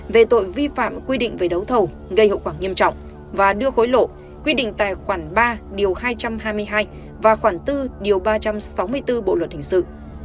về tội vi phạm quy định về đấu thầu gây hậu quả nghiêm trọng và đưa hối lộ quy định tài khoản ba điều hai trăm hai mươi hai và khoảng bốn điều ba trăm sáu mươi bốn bộ luật hình sự